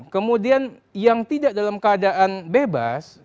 kemudian yang tidak dalam keadaan bebas